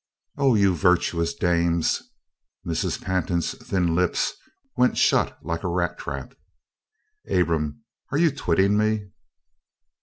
"Oh, you virtuous dames " Mrs. Pantin's thin lips went shut like a rat trap. "Abram, are you twitting me?"